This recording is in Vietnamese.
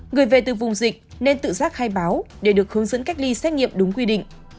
người về từ vùng dịch nên tự giác khai báo để được hướng dẫn cách ly xét nghiệm đúng quy định